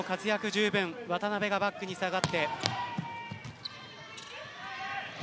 十分渡邊がバックに下がって。